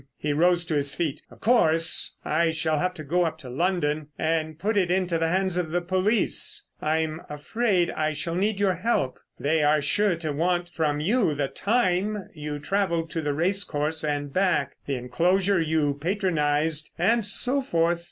He rose to his feet. "Of course, I shall have to go up to London and put it into the hands of the police. I'm afraid I shall need your help. They are sure to want from you the time you travelled to the racecourse and back, the enclosure you patronised, and so forth.